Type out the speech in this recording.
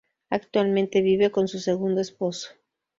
Actualmente vive con su segundo esposo.